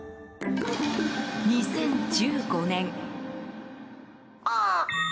２０１５年。